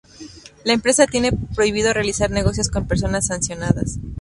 La empresa tiene prohibido realizar negocios con personas sancionadas.